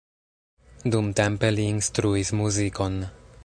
Dumtempe li instruis muzikon.